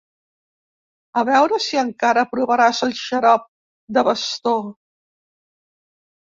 A veure si encara provaràs el xarop de bastó!